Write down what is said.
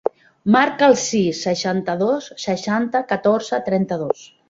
Marca el sis, seixanta-dos, seixanta, catorze, trenta-dos.